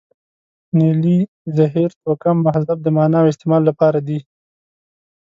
نیلې، زهیر، توکم، مهذب د معنا او استعمال لپاره دي.